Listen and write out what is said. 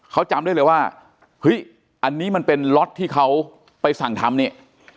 เขาจำได้เลยว่าเฮ้ยอันนี้มันเป็นล็อตที่เขาไปสั่งทำนี่